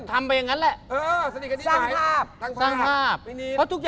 คือจริงแล้วพี่ให้ผมกลับไปหน่อย